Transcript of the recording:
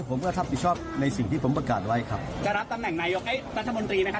ผมก็รับผิดชอบในสิ่งที่ผมประกาศไว้ครับจะรับตำแหน่งนายกรัฐมนตรีนะครับ